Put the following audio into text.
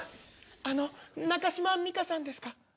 あの中島美嘉さんですか？